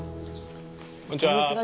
・こんにちは。